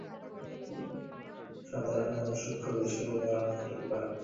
সাধারণ মানুষ সূক্ষ্ম বিষয় ধারণা করিতে পারে না।